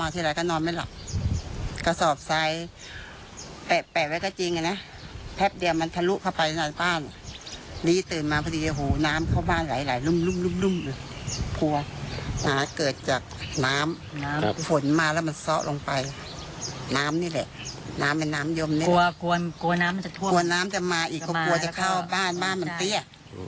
กลัวน้ำจะมาอีกก็กลัวจะเข้าบ้านบ้านมันเตี้ย